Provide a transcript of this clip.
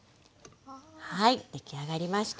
はい出来上がりました。